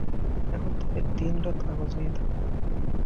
এখন থেকে দিনরাত কাগজ নিয়ে থাকব না।